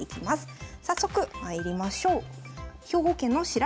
早速まいりましょう。